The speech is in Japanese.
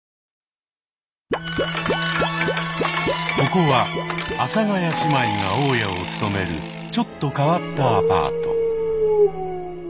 ここは阿佐ヶ谷姉妹が大家を務めるちょっと変わったアパート。